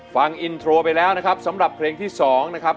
ฟังอินโทรไปแล้วนะครับสำหรับเพลงที่๒นะครับ